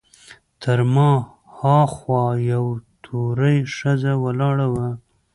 تر ما هاخوا یوه تورۍ ښځه ولاړه وه.